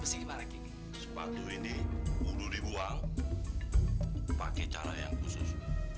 sepatu ini dulu dibuang pakai cara yang khusus